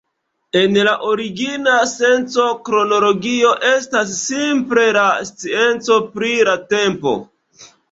En la origina senco kronologio estas simple la scienco pri la tempo.